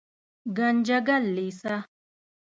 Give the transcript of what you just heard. ګنجګل لېسه